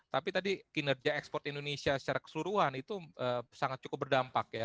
tapi tadi kinerja ekspor indonesia secara keseluruhan itu sangat cukup berdampak ya